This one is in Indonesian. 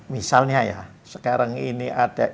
misalnya ya sekarang ini